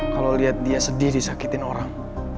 kalo liat dia sedih disakitin orang